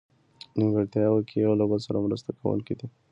نیمګړتیاوو کې یو له بله سره مرسته کوونکي دي.